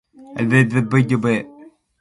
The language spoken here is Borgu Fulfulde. Janŋooɓe annita laatinoowel der haala.